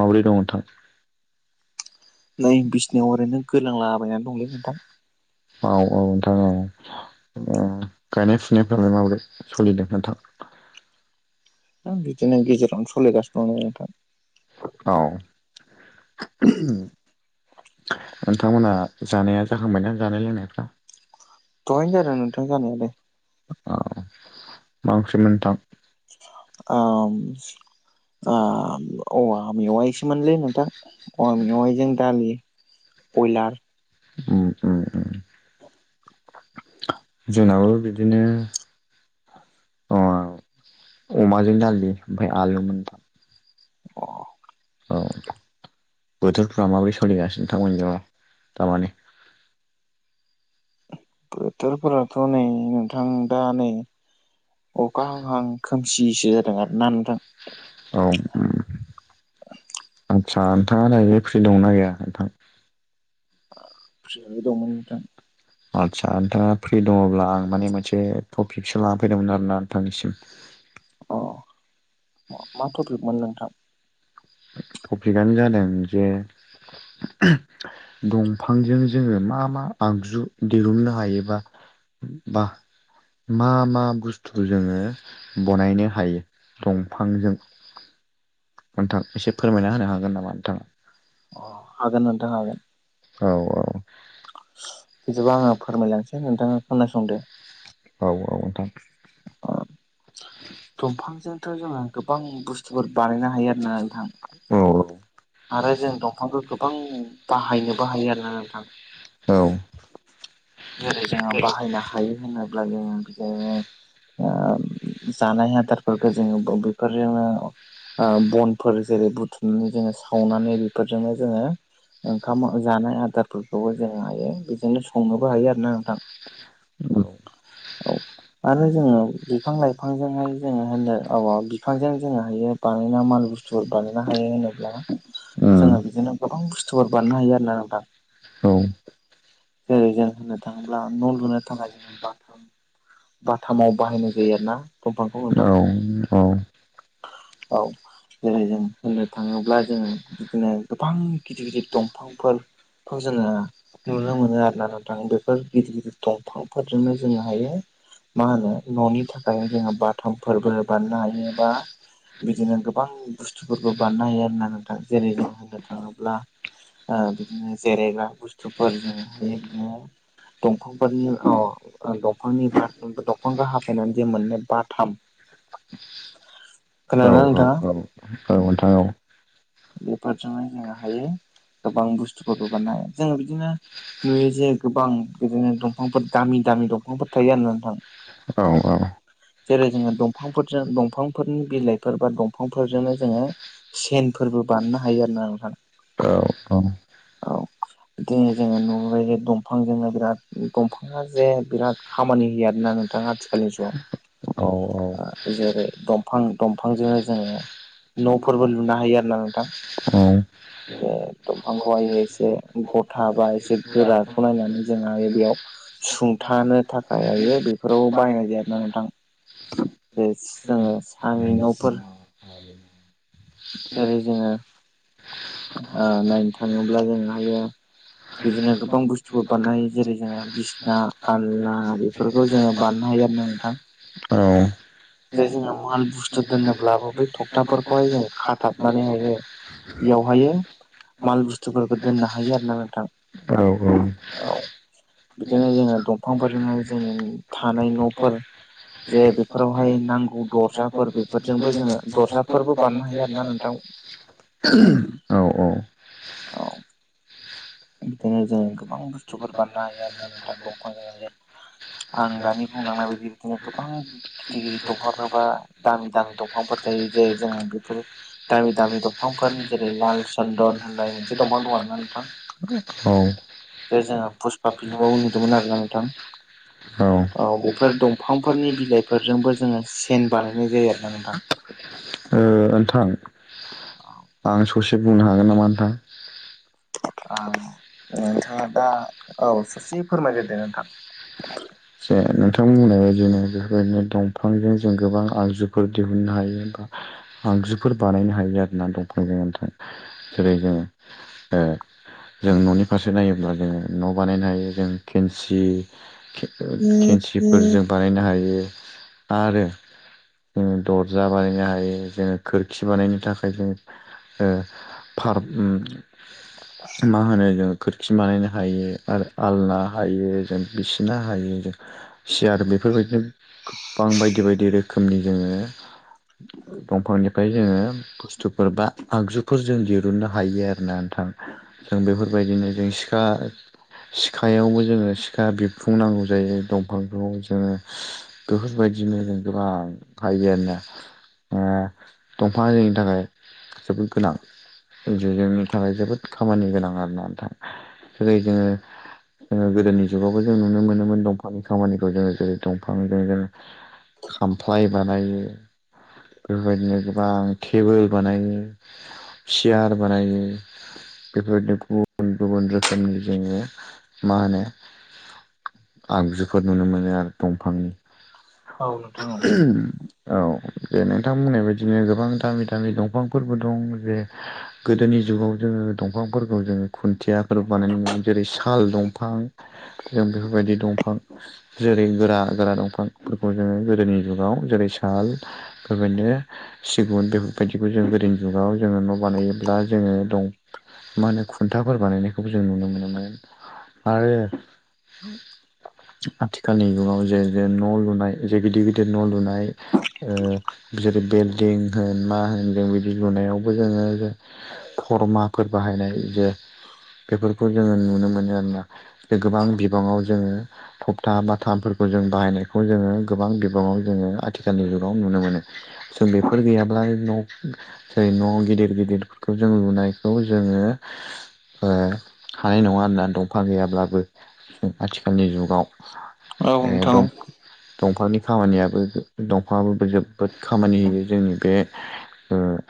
माब्रै दं नोंथां नाय बिसिनायाव ओरैनो गोलांलाबायनानै दंलै नोंथां औ नोंथां औ गायनाय फुनायफोरालाय माबोरै सोलिदों नोंथां बिदिनो गेजेरावनो सोलिगासिनो दं नोंथां औ नोंथांमोनहा जानाया जाखांबायना जानाय लोंनायफ्रा दहायनो जादों नोंथां जानायालाय ओ मा ओंख्रिमोन नोंथां ओ ओ औवा मेवाइसोमोनलै नोंथां औवा मेवाइजों दालि बयलार ओम ओम ओम जोंनाबो बिदिनो अ अमाजों दालि ओमफ्राय आलु मोन औ बोथोरफ्रा माबोरै सोलिगासिनो नोंथांमोननि जागा दामानि बोथोरफोराथ' नै नोंथां दा नै औ अखा हांहां खोमसिसो जादों आरोना नोंथां ओम आदसा नोंथाङा दायो फ्रि दंना गैया नोंथां फ्रि आवनो दंमोन नोंथां आदसा नोंथाङा फ्रि दङब्ला आं माने मोनसे टपिकसो लानानै फैदोंमोन आरोना नोंथांनिसिम अ मा टपिकमोन नोंथां टपिकआनो जादों जे दंफांजों जोङो मा मा आगजु दिहुननो हायोबा बा मा मा बुस्थु जोङो बनायनो हायो दंफांजों नोंथां एसे फोरमायना होनो हागोन नामा नोंथाङा अ हागोन नोंथां हागोन औ औ बिदिबा आङो फोरमायलांसै नोंथाङा खोनासंदो औ औ नोंथां दंफांजोंथ' जों गोबां बुस्थुफोर बानायनो हायो आरो ना औ नोंथां आरो जों दंफांखौ गोबां बाहायनोबो हायो आरोना नोंथां औ उम जेरै जोङो बाहायनो हायो होनोब्ला जोङो बिदिनो ओ जानाय आदारफोरखौ जोङो बेफोरजोंनो ओ बनफोर जेरै बुथुमनानै जोङो सावनानै बेफोरजोंनो जोङो ओंखाम जानाय आदारफोरखौबो जोङो हायो बेजोंनो सु हायो आरोना नोंथां औ आरो जोङो बिफां लाइफांजोंहाय जोङो होनो औ मा बिफांजों जोङो हायो बानायना मा लु बुस्थुफोर बानायनो हायो होनोब्ला उम जोङो बिदिनो गोबां बुस्थुफोर बानायनो हायो आरो ना नोंथां जेरै जों होननो थाङोब्ला न' लुनो थाखाय जों बाथाम बाथामाव बाहायनाय जायो आरो ना दंफांखौ औ नोंथां औ औ जेरै जों होननो थाङोब्ला जोङो बिदिनो गोबां गिदिर गिदिर दंफांफोर खौ जोङो नुनो मोनो आरोना नों थां बेफोर गिदिर गिदिर दंफांफोरजोंनो जोंङो हायो। मा होनो न'नि थाखाय जोङो बाथाम फोरबो बानायनो हायो बा बिदिनो गोबां बुस्थुफोरबो बानायनो हायो आरोना नोंथां जेरै जों होननो थाङोब्ला ओ बिदिनो जिरायग्रा बुस्थुफोर जोङो हायो म दंफांफोरनि औ ओ दंफांनि ब दंफांखौ हाफैनानै जे मोननाय बाथाम औ औ खोनादोंना औ औ नोंथां औ बेफोजोंहाय जोङो हायो। गोबां बुस्थुफोरखौ बानायनो हायो जोङो बिदिनो नुयो जे गोबां बिदिनो दंफांफोर दामि दामि दंफांफोर थायो आरोना नोंथां औ औ जेरै जोङो दंफांफोरजों दंफांफोरनि बिलाइफोर बा दंफांफोरजोंनो जोङो सेन फोरबो बानायनो हायो आरोना नोंथां। औ बिदि जोङो नुबोयो दंफांजोंनो बिराद दंफाङा जे बिराद खामानि होयो आरोना। नोंथाङा आथिखालि ज आ जेरै दंफां दंफांजोंनो जोङो न'फोरबो लुनो हायो। औ जे दंफांखौहाय एसे गथा बा एसे गोराखौ नायनानै जों आरो बेयाव सुंथानो थाखाययो बेफोराव बायनाय जायोना नोंथां बे जोङो आंनि न'फोर जेरै जोङो ओ नायनो थाङोब्ला जोङो हायो बिदिनो गोबां बुस्थुफोर बानायनो हायो जेरै जोङो बिसिना आनला बेफोरखौ जोङो बानायनो हाय हायो आरोना नोथां बुस्थु दोनोब्लाबो बै औ थखथाफोरखौहाय जों खाथाबनानै हायो बेयावहायो [unintelligible] माल बुस्थुफोरखौ दोननो हायो आरोना नोंथां उम औ बिदिनो जोङो दंफांफोरजोंहाय जोंनि थानाय न'फोर जे बेफोरावहाय नांगौ दरजाफोर बेफोरजोंबो जोङो दरजाफोरबो बानायनो हायो आरो। ना नोंथां औ औ बिदिनो जों गोबां बुस्थुफोर बानायनो हायो आरोना नोंथां दंफांजोंनो आं दानि बुंलांनाय बायदि बिदिनो गोबां गिदिर गिदिर दंफांफोर बा दामि दामि दंफांफोर ओइ जे जों ज बेफोर दामि दामि दंफांफोरनि जेरै लाल चन्दन होननाय मोनसे दंफां दं आर ना नोंथां बे जोङो फुसपा फिल्माव नुदोंमोन आरोना नोंथां। ओ औ बेफोर दंफांफोरनि बिलाइफोरजोंबो जोङो सेन बानायनाय जायो आर ना नोंथां। नोंथां आं ससे बुंनो हागोन नामा नोंथां। नोंथाङा दा औ सासे फोरमायगोरदो नोंथां। [inaudible] जे नोंथां बुंनाय बादिनो बेफोरबायदिनो दंफांजों जों गोबां आगजुफोर दिहुननो हायो बा। आंगुफोर बानायनो हायो आरा दंफां ज नोंथां जेरै जोङो जों न'नि फारसे नायोब्ला जोङो न' बानायनो हायो जों केन्सि खेन्सिफोरजों बानायनो हायो आरो। दर्जा बानायनो हायो जोङो खोरखि बानायनो थाखाय जो फार मा होनो जों खोरखि बानायनो हायो आरो आलना हायो जों बिसिना ह चियार बेफोरबायदिनो गोबां बायदि बायदि रोखोमनि जोङो दंफांनिफ्राय जोङो बुस्थुफोर बा आगजुफोर जों दिरुननो हायो आरोना नोंथां। जों बेफोरबायदिनो जों सिखा सिखायावबो जोङो सिखा फुंनांगौ जायो दंफां आव जोङो बेफोरबायदिनो जों गोबां हायो आरोना दंफां जायनि थाखाय जोबो गोनां जे जोंनि थाखाय जोबोद खामानि गोनां आरो ना नोंथां जेरै जोङो गोदोनि जुगावबो जों नुनो मोनोमोन दंफांनि खामानिखौ जोङो जेरै दंफांजों जो खामफ्लाय बानायो। बेफोरबायदिनो गोबां टेबोल बानायो सियार बानायो बेफोरबायदिनो गुबुन गुबुन रोखोमनि जोङो मा होनो आगजुफोर नुनो मोनो आरो दंफांनि औ नोंथां औ। औ। जे नोंथांमोननाय बायदिनो गोबां दामि दामि दंफांफोरबो दं जे गोदोनि जुगाव जोङो दंफांफोरखौ जोङो ख खोथियाफोर बानायनाय म जेरै साल दंफां जों बेफोरबायदि दंफां जेरै गोरा गोरा दंफांफोरखौ जोङो गोदोनि जुगाव जेरै ल बेबायदिनो सिगुन बेफोरबायदिखौ जों गोदोनि जुगाव जोङो न' बानायोब्ला जोङो दं मा होनो खुन्थाफोर बानायनायखौबो जों नुनो मोनोमोन आरो आथिखालनि जुगाव जे जे न' लुनाय जे गिदिर गिदिर गिदिर न' लुनाय बिसोरै बिल्डिं होन मा होन जों बिदि लुनायावबो जोङो खरमाफोर औ बाहायनाय जे बेफोरखौ जोङो नुनो मोनो आरोना जे गोबां बिगाङाव जोङो फपथा बााथामफोरखौ जों बाहायनाय खौ जोङो गोबां बिबाङाव जोङो आथिखालनि जुगाव नुनो मोनो जों बेफोर गैयाब्ला न' जेरै न' गिदिर गिदिरफोरखौ जों लुनायखौ जोङो हानाय नङा होनोना दंफां गैयाब्लाबो आथिखालनि जुगाव नोंथां औ दं दंफांनि खामानियाबो दंफाङोबो जोबोद खामानि होयो जोंनि बे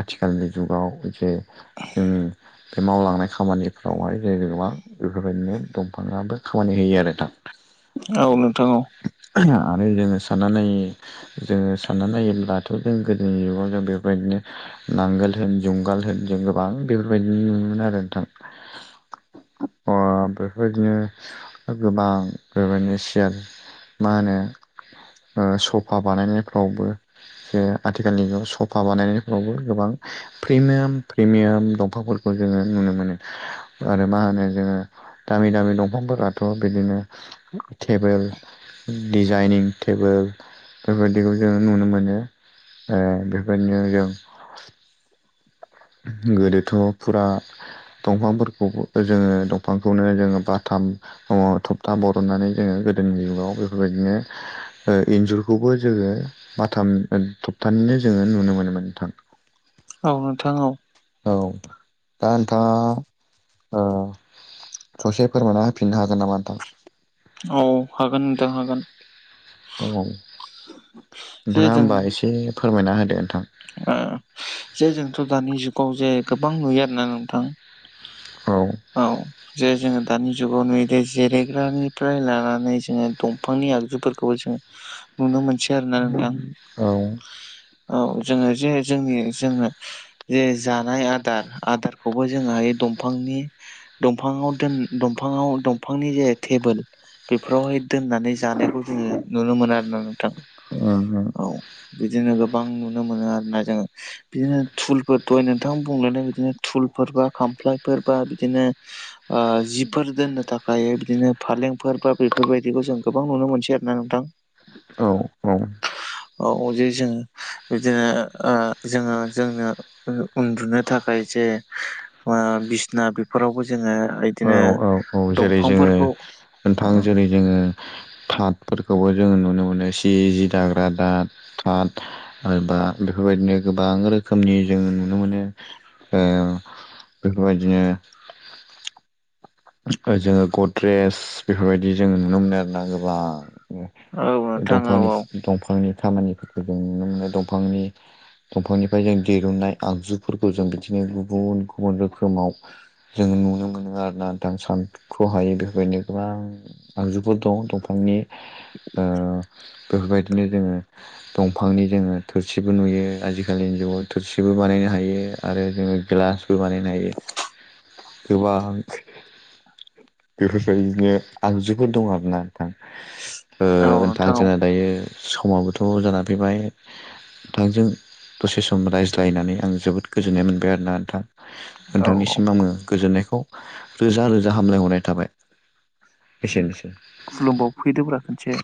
आथिखालनि जुगाव जे जोंनि बे मावलांनाय खामानिफ्रावहाय जे गोबां बेफोरबायदिनो दंफाङा खामानि होयो आरो दा औ नोंथां औ आरो जोङो साननानै जोङो साननानै नायोब्लाथ' जों गोदोनि जुगाव जों बेफोरबायदिनो नांगोल होन ज जंगाल होनजों गोबां बेफोरबायदि नुोमोन आरो नोंथां अ बेफोरबायदिनो गोबां बेबायदिनो सियार मा होनो सफा बानायनायफ्रावबो ज आथिखाल आथिखालनिगाव सफा बानायनायफोरावबो गोबां प्रिमियाम प्रिमियाम दं दंफांफोरखौ जोङो नुनो मोनो आरो मा होनो जोङो दामि दामि दंफां थ' बिदिनो टेबोल डिजाइनिं टेबोल बेबायदिखौ जोङो नुनो मोनो ए बिफोरबायदिनो जों गोदोथ' फुरा दंफांफोरखौबो जोङो दंफांखौनो जोङो बाथाम थबथा बरननानै जोङो गोदोनि जुगाव बेफोरबायदिनो ओ इन्जुरखौबो जोङो बाथाम थक्टानिनो जोङो नुनो मोनोमोनोंथां औ नोंथां औ औ दा नोंथाङा ओ ससे फोरमानना होफिननो हागोन नामा नोंथां औ हागोन नोंथां हागोन औ जे नोंथाङा जों होमबा एसे फोरमायना होदो नोंथां ओ जे जोंथ' दानि जुगाव जे गोबां नुयो आरोना नोंथां [inaudible] औ औ जे जोङो दानि जुगाव नुयोदि जिरायग्रानिफ्राय लानानै जोङो दंफांनि आगजुफोरखौ जों नुनो मोनसै आरोना नोंथां औ औ जोङो जे जोंनि जों जे जानाय आदार आदारखौबो जोङोहाय दंफां नि दंफाङाव दोन दंफाङाव दंफांनि जे टेबोल बेफोरावहाय दोननानै जानायखौ जोङो नुनो मोना आरोना नोंथां ओम औ बिदिनो गोबां नुनो मोनो आरोना जोङो बिदिनो थुलफोर दहाय नोंथां बुंलायनाय बिदिनो थुलफोर बा खामफ्लायफोरबा बिदिनो ओ जिफोर दोननो थाखाय बिदिनो फालेंफोर बा बेफोरबायदिखौ जों गोबां नुनो मोनसै आरो ना नोंथां औ औ जे जोङो बिदिनो ओ जोङो जोंनो उन्दुनो थाखाय जे बिसना बेफोरावबो जोङो औ इदिनो औ औ जेरै जोङो दंफांफोरखौ औ नोंथां जेरै जोङो थातफोरखौबो जोङो नुनो मोनो सि जि दाग्रा दाद थाथ एबा बेफोरबायदिनो गोबां रोखोमनि जोंङो नुनो मोनो ओ बेफोरबायदिनो जोङो गद्रेज बेफोरबायदि जोङो नुनो मोनो आरोना गोबां नोंथां औ दंफांनि औ दंफांनि खामानिफोरखौ जों नुनो मोनो दंफांनि दंफांनिफ्राय जों दिरुननाय आगजुफोरखौ जों बिदिनो गुबुन गुबुन रोखोमाव जोङो नुनो मोनो आरोना नोंथां सान्ख्रहायि बेफोरबायदिनो गोबां आगजुफोर दं दंफांनि ओ बेफोरबायदिनो जोङो दंफांनि जोङो थोरसिबो नुयो आजिखालिनि जुगाव थुरसिबो बानायनो हायो आरो जोङो गिलासबो बानायनो हायो गोबां बेफोरबायदिनो आगजुफोर दं आरोना नोंथां ओ औ नोंथां औ जोंना दायो समाबोथ' जाना फैबाय नोंथांजों दसे सम रायज्लायनानै आं जोबोद गोजोननाय मोनबाय आरोना नोंथां औ औ नोंथांनिसिम आङो गोजोननायखौ रोजा रोजा हामलायहरनाय थाबाय एसेनोसै खुलुमबाव फैदोब्रा खनसे